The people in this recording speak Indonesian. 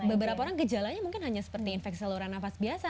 beberapa orang gejalanya mungkin hanya seperti infek saluran nafas biasa